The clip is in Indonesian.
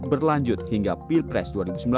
berlanjut hingga pilpres dua ribu sembilan belas